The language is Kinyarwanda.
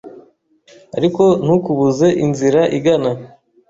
Ariko ntukubuze inzira igana